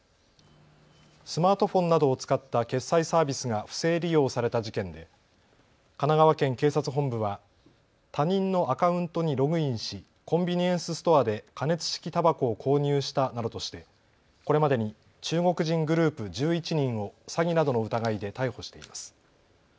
スマートフォンなどを使った決済サービスが不正利用された事件で神奈川県警察本部は他人のアカウントにログインしコンビニエンスストアで加熱式たばこを購入したなどとしてこれまでに中国人グループ１１人を詐欺などの疑いで逮捕しています。